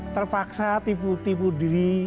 terpaksa tipu tipu diri